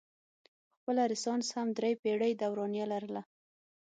پخپله رنسانس هم درې پیړۍ دورانیه لرله.